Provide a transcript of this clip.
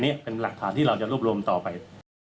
นี่เป็นหลักฐานที่เราจะรวบรวมต่อไป